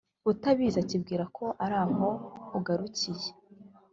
utabizi akibwira ko ari aho ugarukiye,